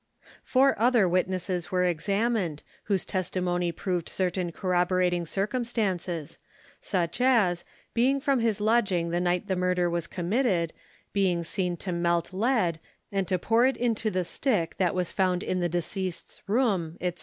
Four other witnesses were examined, whose testimony proved certain corroborating circumstances; such as, being from his lodging the night the murder was committed, being seen to melt lead, and to pour it into the stick that was found in the deceased's room, &c.